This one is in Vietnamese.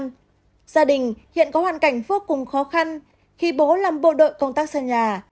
gia đình hiện có hoàn cảnh vô cùng khó khăn khi bố làm bộ đội công tác sân nhà